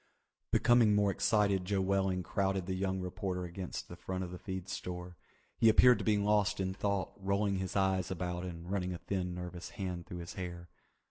Becoming more excited Joe Welling crowded the young reporter against the front of the feed store. He appeared to be lost in thought, rolling his eyes about and running a thin nervous hand through his hair.